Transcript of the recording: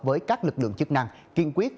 với các lực lượng chức năng kiên quyết